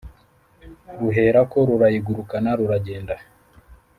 ruherako rurayigurukana ruragenda